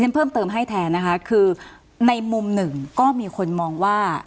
เพิ่มเติมให้แทนนะคะคือในมุมหนึ่งก็มีคนมองว่า